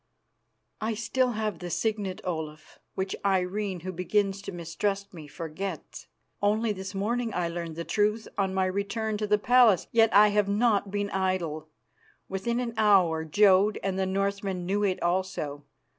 "I still have the signet, Olaf, which Irene, who begins to mistrust me, forgets. Only this morning I learned the truth on my return to the palace; yet I have not been idle. Within an hour Jodd and the Northmen knew it also.